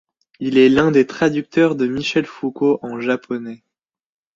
Il est l’un des traducteurs de Michel Foucault en japonais.